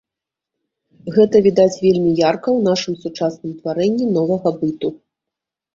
Гэта відаць вельмі ярка ў нашым сучасным тварэнні новага быту.